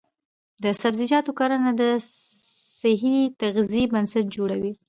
د سبزیجاتو کرنه د صحي تغذیې بنسټ جوړوي.